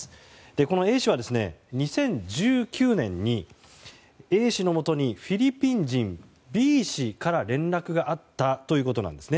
このＡ氏は２０１９年に、Ａ氏にフィリピン人Ｂ氏から連絡があったんですね。